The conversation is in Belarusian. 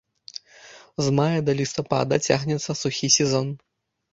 З мая да лістапада цягнецца сухі сезон.